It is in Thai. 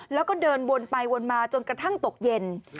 แล้วก็เดินวนไปวนมาจนกระทั่งตกเย็น